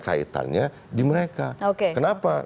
kaitannya di mereka kenapa